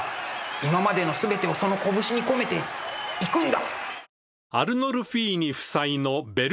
今までの全てをその拳に込めていくんだ！